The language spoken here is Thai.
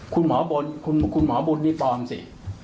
คุณหมอบุญนี่ปลอมสิ